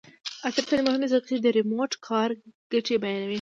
عصري تعلیم مهم دی ځکه چې د ریموټ کار ګټې بیانوي.